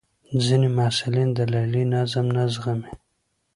ځینې محصلین د لیلیې نظم نه زغمي.